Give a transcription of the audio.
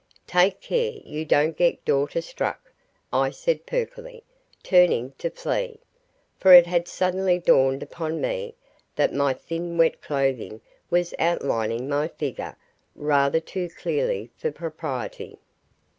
"Take care you don't get daughter struck," I said perkily, turning to flee, for it had suddenly dawned upon me that my thin wet clothing was outlining my figure rather too clearly for propriety.